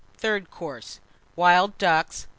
THIRD COURSE. Wild Ducks.